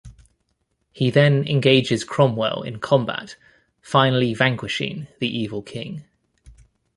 He then engages Cromwell in combat, finally vanquishing the evil king.